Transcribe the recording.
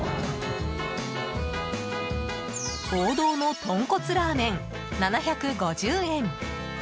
王道のとんこつラーメン７５０円。